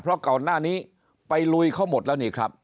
เพราะก่อนหน้านี้ไปลุยเขาหมดแล้วนี่ครับ